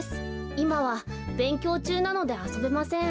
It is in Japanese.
いまはべんきょうちゅうなのであそべません。